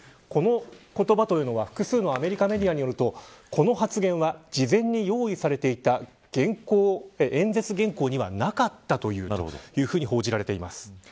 この言葉というのは、複数のアメリカメディアによるとこの発言は事前に用意されていた演説原稿にはなかったというふうに報じられてます。